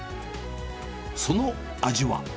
その味は。